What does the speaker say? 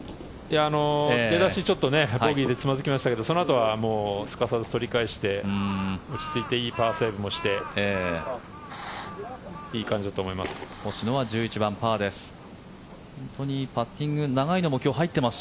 出だしがボギーでつまづきましたけどそのあとは取り返して落ち着いていいパーセーブもしていい感じだと思います。